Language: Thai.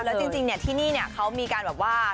แล้วจริงที่นี่เขามีการแบบว่า